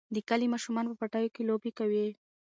د کلي ماشومان په پټیو کې لوبې کوي.